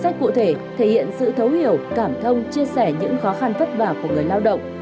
sách cụ thể thể hiện sự thấu hiểu cảm thông chia sẻ những khó khăn vất vả của người lao động